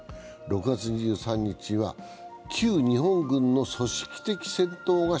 ６月２３日は旧日本軍の組織的戦闘が